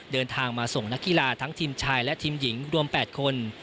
เดินทางมาส่งนักกีฬาทั้งทีมชายและทีมหญิงรวม๘คน